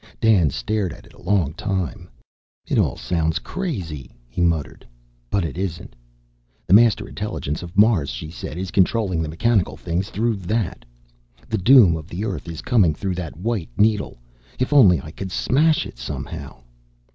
Dan stared at it a long time. "It all sounds crazy," he muttered, "but it isn't! The Master Intelligence of Mars, she said, is controlling the mechanical things through that! The doom of the Earth is coming through that white needle! If only I could smash it, somehow!"